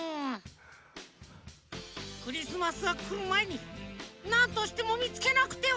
クリスマスがくるまえになんとしてもみつけなくては！